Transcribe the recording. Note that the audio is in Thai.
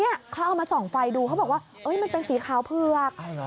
เขาเอามาส่องไฟดูเขาบอกว่ามันเป็นสีขาวเผือก